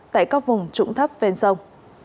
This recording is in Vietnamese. tại các vùng trụng thấp ven sông